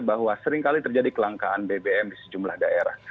bahwa seringkali terjadi kelangkaan bbm di sejumlah daerah